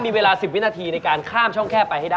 มีเวลา๑๐วินาทีในการข้ามช่องแค่ไปให้ได้